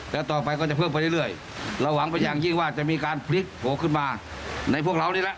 แล้วต่อไปก็จะเพิ่มไปเรื่อยเราหวังไปอย่างยิ่งว่าจะมีการพลิกโผล่ขึ้นมาในพวกเรานี่แหละ